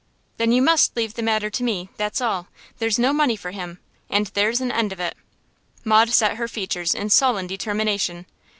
'Then you must leave the matter to me, that's all. There's no money for him, and there's an end of it.' Maud set her features in sullen determination.